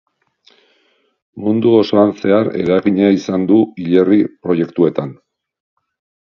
Mundu osoan zehar eragina izan du hilerri proiektuetan.